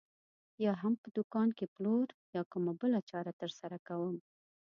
یا هم په دوکان کې پلور یا کومه بله چاره ترسره کوم.